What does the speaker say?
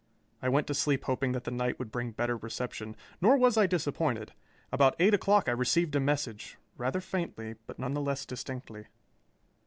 I went to sleep hoping that the night would bring better reception, nor was I disappointed. About eight o'clock I received a message, rather faintly, but none the less distinctly.